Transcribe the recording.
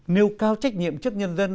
nêu cao trách nhiệm chức nhân dân